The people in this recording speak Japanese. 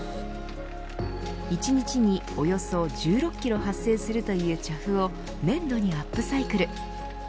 １日におよそ１６キロ発生するというチャフを粘土にアップサイクル。